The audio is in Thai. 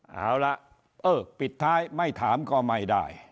ครับเอ้อปิดท้ายไม่ถามก็ไม่ได้